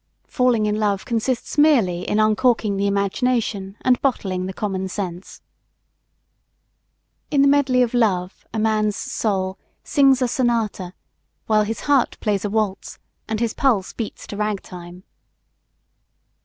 Falling in love consists merely in uncorking the imagination and bottling the common sense. In the medley of love a man's soul sings a sonata, while his heart plays a waltz and his pulse beats to rag time.